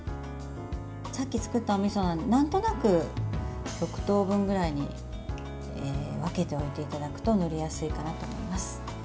さっき作ったおみそはなんとなく６等分くらいに分けておいていただくと塗りやすいかなと思います。